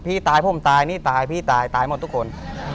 พี่ตายผมตายนี่ตายพี่ตายตายหมดทุกคน